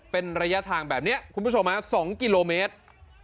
เป็นระยะทางแบบนี้คุณผู้ชม๒กิโลเมตร